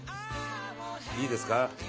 いいですか。